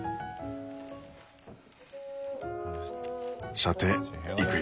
さていくよ。